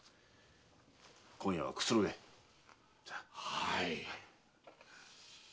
はい。